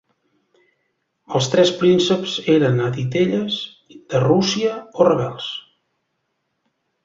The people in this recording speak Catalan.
Els tres prínceps eren a titelles de Rússia o rebels.